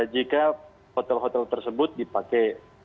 jika hotel hotel tersebut dipakai